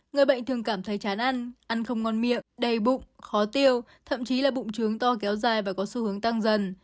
người bệnh thường cảm thấy chán ăn ăn không ngon miệng đầy bụng khó tiêu thậm chí là bụng trướng to kéo dài và có xu hướng tăng dần